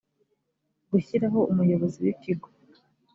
gushyiraho umuyobozi w ikigo